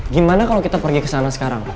gimana kalau kita pergi ke sana sekarang